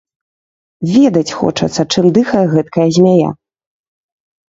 Ведаць хочацца, чым дыхае гэткая змяя.